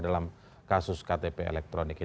dalam kasus ktp elektronik